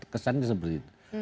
kesannya seperti itu